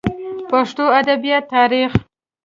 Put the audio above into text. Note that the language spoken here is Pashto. پښتو ادبياتو تاريخ